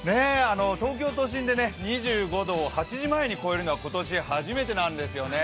東京都心で２５度を８時前に超えるのは、今年初めてなんですよね。